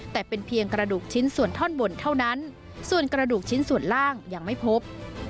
แต่เป็นเพียงกระดูกชิ้นส่วนท่อนบนเท่านั้นส่วนกระดูกชิ้นส่วนล่างยังไม่พบ